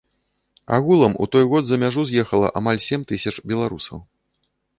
Агулам, у той год за мяжу з'ехала амаль сем тысяч беларусаў.